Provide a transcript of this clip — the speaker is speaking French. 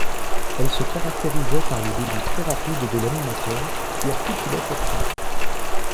Elle se caractérisait par le débit très rapide de l'animateur, qui articulait pourtant.